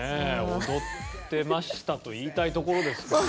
「踊ってました」と言いたいところですけどね。